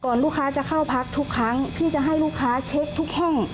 ลูกค้าจะเข้าพักทุกครั้งพี่จะให้ลูกค้าเช็คทุกห้อง